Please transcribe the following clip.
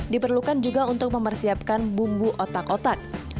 diperlukan juga untuk mempersiapkan bumbu otak otak